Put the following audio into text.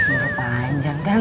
udah panjang kan